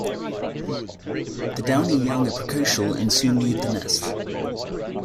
The downy young are precocial and soon leave the nest.